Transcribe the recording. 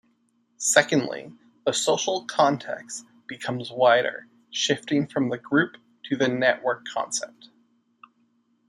Secondly, the social context becomes wider, shifting from the group to the network concept.